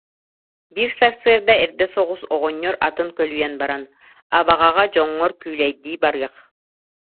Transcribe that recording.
Биир сарсыарда эрдэ соҕус оҕонньор атын көлүйэн баран: «Абаҕаҕа дьоҥҥор күүлэйдии барыах»